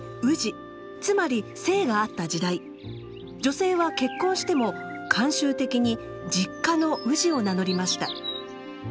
つまり姓があった時代女性は結婚しても慣習的に実家の「氏」を名乗りました。